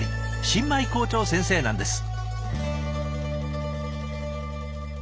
新米校長先生なんです。